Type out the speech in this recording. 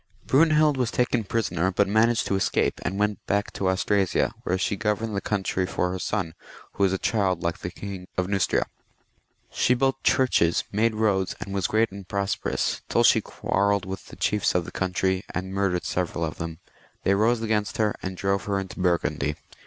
Brunehild was taken prisoner, but managed to escape, and went back to Austrasia, where she governed the countiy for her son, who was a child like the King of Neustria. She built churches, made roads, and was great and prosperous, till she quarrelled with the chiefs of the country, and murdered several of them. They rose against her, and drove her into Burgundy.